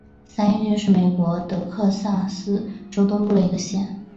三一郡是美国德克萨斯州东部的一个县。